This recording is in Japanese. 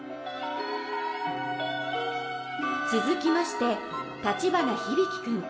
続きまして立花響くん。